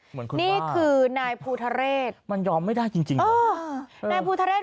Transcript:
เหมือนคุณว่ามันยอมไม่ได้จริงหรอนี่คือนายภูเทศ